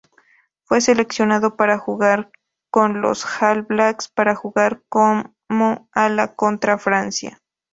Fue seleccionado para jugar con los All Blacks para jugar como ala contra Francia.